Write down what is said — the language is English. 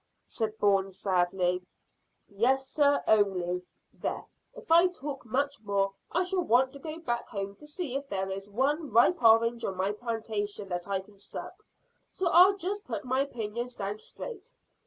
said Bourne sadly. "Yes, sir, only. There, if I talk much more I shall want to go back home to see if there is one ripe orange on my plantation that I can suck. So I'll just put my opinions down straight.